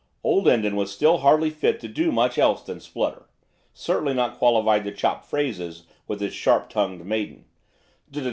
Old Lindon was still hardly fit to do much else than splutter, certainly not qualified to chop phrases with this sharp tongued maiden.